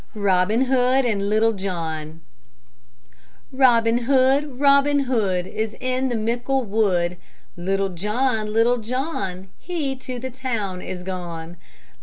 ROBIN HOOD AND LITTLE JOHN Robin Hood, Robin Hood, Is in the mickle wood! Little John, Little John, He to the town is gone.